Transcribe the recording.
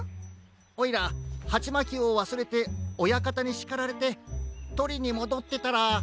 おいらハチマキをわすれておやかたにしかられてとりにもどってたら。